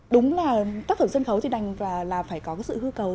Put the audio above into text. đúng là tác phẩm sân khấu thì đành là phải có sự hư cầu